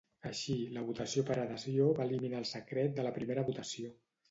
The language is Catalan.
Així, la votació per adhesió va eliminar el secret de la primera votació.